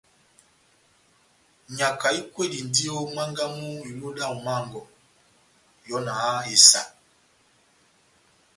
Nyaka ikwedindini ó mwángá mú iluhu dá momó wɔngɔ, nyɔ na háhani esa.